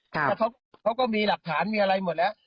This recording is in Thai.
แล้วเขาก็มีหลักฐานมีอะไรหมดแล้ว